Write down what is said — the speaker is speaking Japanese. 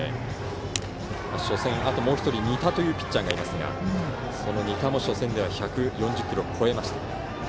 初戦、あともう１人仁田というピッチャーがいますがその仁田も初戦では１４０キロ超えました。